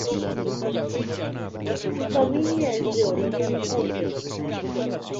Su familia es de origen kurdo.